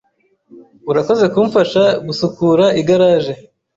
Urakoze kumfasha gusukura igaraje.